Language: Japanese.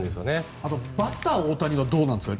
あとバッター、大谷はどうなんですかね。